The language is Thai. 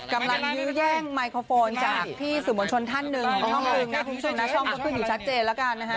กำลังยื้อย่างไมคโครโฟนจากพี่สุมวนชนท่านหนึ่งช่องหนึ่งช่องหน้าช่องก็ขึ้นอยู่ชัดเจนแล้วกันนะฮะ